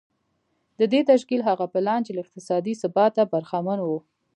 د دې تشکيل هغه پلان چې له اقتصادي ثباته برخمن و.